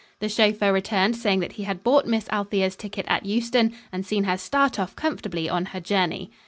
The chauffeur returned saying that he had bought Miss Althea's ticket at Euston and seen her start off comfortably on her journey.